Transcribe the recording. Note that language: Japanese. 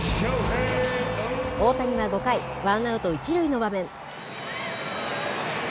大谷は５回、ワンアウト１塁の場面。